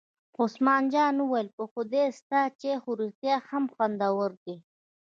عثمان جان وویل: په خدای ستا چای خو رښتیا هم خوندور دی.